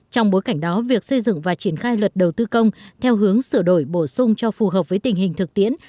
trong bối cảnh đó việc xây dựng và triển khai luật đầu tư công theo hướng sửa đổi bổ sung cho phù hợp với tình hình thực tiễn